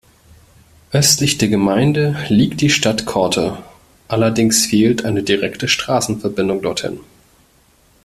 Östlich der Gemeinde liegt die Stadt Corte; allerdings fehlt eine direkte Straßenverbindung dorthin.